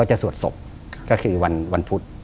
มันจะทอนหน้าเขา